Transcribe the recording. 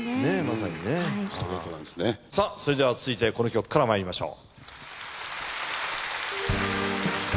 さぁそれでは続いてこの曲からまいりましょう。